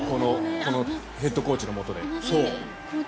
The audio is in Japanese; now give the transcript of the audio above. このヘッドコーチのもとで。